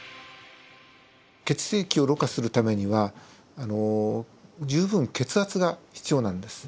血液をろ過するためには十分血圧が必要なんです。